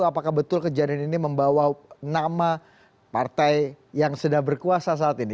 apakah betul kejadian ini membawa nama partai yang sedang berkuasa saat ini